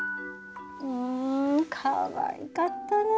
うんかわいかったな